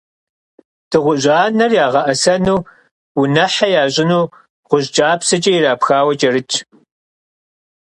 Дыгъужь анэр ягъэӀэсэну, унэхьэ ящӀыну гъущӀ кӀапсэкӀэ ирапхауэ кӀэрытщ.